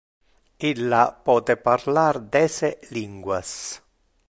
Illa pote parlar dece linguas.